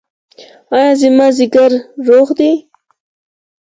ایا زما ځیګر روغ دی؟